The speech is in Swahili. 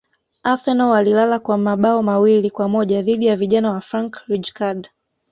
arsenal walilala kwa mabao mawili kwa moja dhidi ya vijana wa frank rijkard